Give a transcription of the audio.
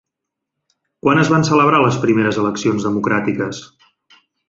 Quan es van celebrar les primeres eleccions democràtiques?